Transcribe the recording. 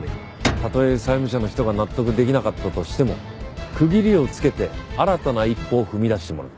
たとえ債務者の人が納得できなかったとしても区切りをつけて新たな一歩を踏み出してもらう。